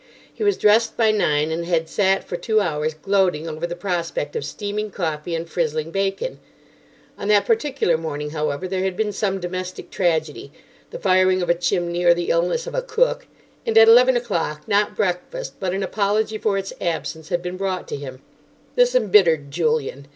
He was dressed by nine, and had sat for two hours gloating over the prospect of steaming coffee and frizzling bacon. On that particular morning, however, there had been some domestic tragedy—the firing of a chimney or the illness of a cook—and at eleven o'clock, not breakfast, but an apology for its absence had been brought to him. This embittered Julian.